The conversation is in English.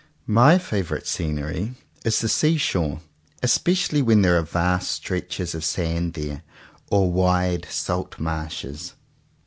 My favourite scenery is the sea shore, especially when there are vast stretches of sand there, or wide salt marshes.